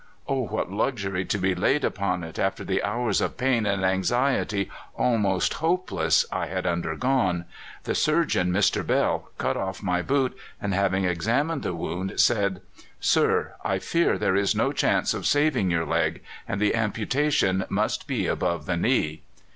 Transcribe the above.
"Oh, what luxury to be laid upon it, after the hours of pain and anxiety, almost hopeless, I had undergone! The surgeon, Mr. Bell, cut off my boot, and having examined the wound, said: "'Sir, I fear there is no chance of saving your leg, and the amputation must be above the knee.